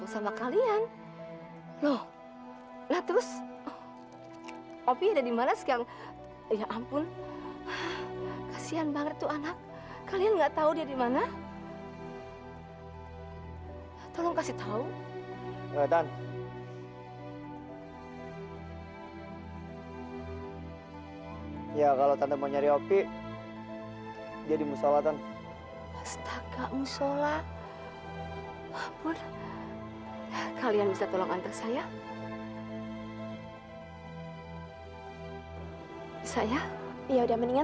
saya harus berterima kasih karena